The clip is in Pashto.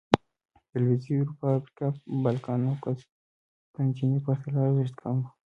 د لوېدیځې اروپا، افریقا، بالکان او قسطنطنیې پرتله ارزښت کم و